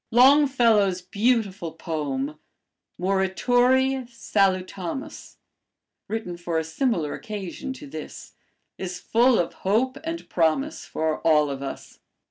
Longfellow's beautiful poem, 'Morituri Salutamus,' written for a similar occasion to this, is full of hope and promise for all of us.